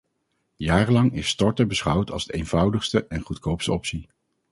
Jarenlang is storten beschouwd als de eenvoudigste en goedkoopste optie.